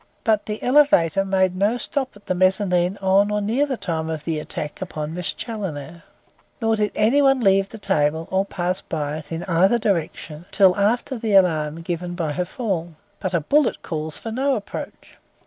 But the elevator made no stop at the mezzanine on or near the time of the attack upon Miss Challoner; nor did any one leave the table or pass by it in either direction till after the alarm given by her fall. But a bullet calls for no approach.